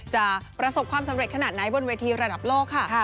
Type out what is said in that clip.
จะประสบความสำเร็จขนาดไหนบนเวทีระดับโลกค่ะ